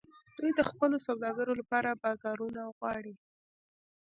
دوی د خپلو سوداګرو لپاره بازارونه غواړي